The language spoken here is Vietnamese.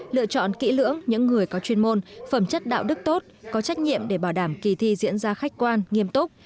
lựa chọn kỹ lưỡng những người có chuyên môn phẩm chất đạo đức tốt có trách nhiệm để bảo đảm kỳ thi diễn ra khách quan nghiêm túc